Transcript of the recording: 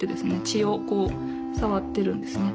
血を触ってるんですね。